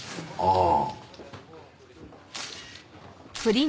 ああ。